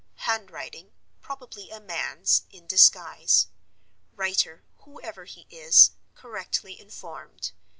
Handwriting, probably a man's, in disguise. Writer, whoever he is, correctly informed.